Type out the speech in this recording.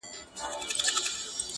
انسانانو یو متل دی پیدا کړی٫